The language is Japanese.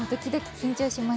緊張します。